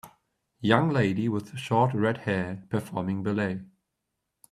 Young lady with short redhair performing ballet.